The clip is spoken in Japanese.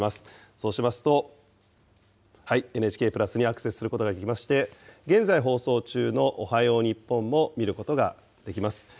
そうしますと、ＮＨＫプラスにアクセスすることができまして、現在放送中のおはよう日本も見ることができます。